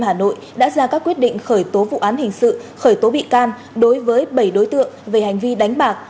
hà nội đã ra các quyết định khởi tố vụ án hình sự khởi tố bị can đối với bảy đối tượng về hành vi đánh bạc